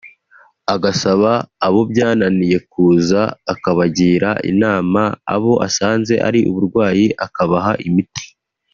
agasaba abo byananiye kuza akabagira inama abo asanze ari uburwayi akabaha imiti